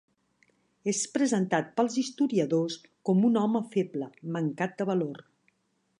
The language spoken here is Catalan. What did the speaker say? És presentat pels historiadors, com un home feble, mancat de valor.